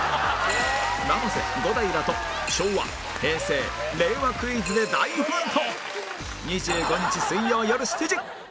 生瀬伍代らと昭和平成令和クイズで大奮闘